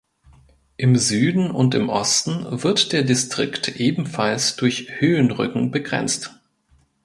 Im Süden und im Osten wird der Distrikt ebenfalls durch Höhenrücken begrenzt.